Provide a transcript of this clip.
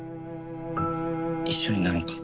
一緒になろうか。